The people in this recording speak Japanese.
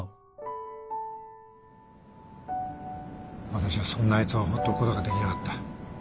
私はそんなあいつを放っておくことができなかった。